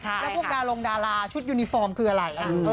แล้วพวกดารงดาราชุดยูนิฟอร์มคืออะไร